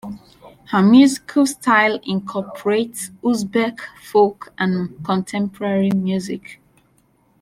Her musical style incorporates Uzbek folk and contemporary music.